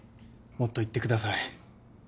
もっと言ってください。